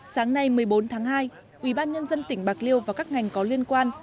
sáng nay một mươi bốn tháng hai ubnd tỉnh bạc liêu và các ngành có liên quan